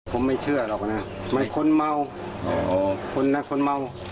ผมไม่เชื่อหรอกนะไม่คนเมาคนนะคนเมา